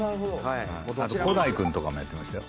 あと古代君とかもやってましたよ。